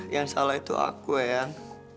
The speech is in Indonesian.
yang salah itu aku yang